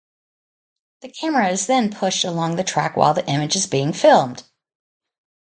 The camera is then pushed along the track while the image is being filmed.